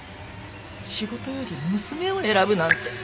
仕事より娘を選ぶなんて。